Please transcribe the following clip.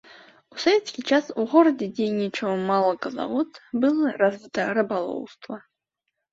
У савецкі час у горадзе дзейнічаў малаказавод, было развіта рыбалоўства.